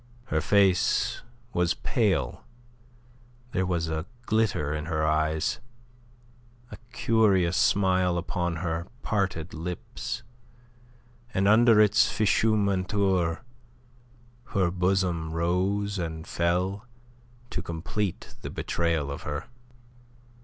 Her face was pale, there was a glitter in her eyes, a curious smile upon her parted lips, and under its fichu menteur her bosom rose and fell to complete the betrayal of her.